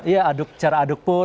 iya cara aduk pun